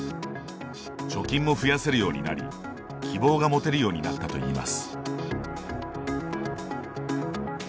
貯金も増やせるようになり希望が持てるようになったといいます。